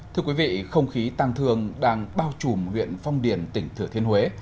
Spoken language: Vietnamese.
thưa quý vị không khí tăng thường đang bao trùm huyện phong điền tỉnh thừa thiên huế